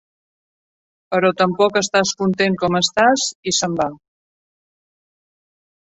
Però tampoc estàs content on estàs i s"en va.